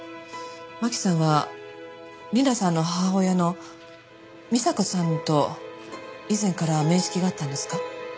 真輝さんは理奈さんの母親の美紗子さんと以前から面識があったんですか？